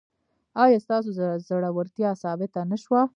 ایا ستاسو زړورتیا ثابته نه شوه؟